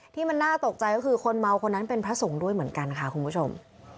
ที่มันน่าตกใจก็คือคนเมาคนนั้นเป็นพระสงฆ์ด้วยเหมือนกันค่ะคุณผู้ชม